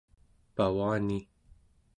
pavani